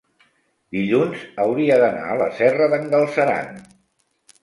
Dilluns hauria d'anar a la Serra d'en Galceran.